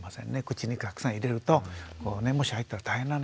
「口にたくさん入れるともし入ったら大変なのよ」って言って。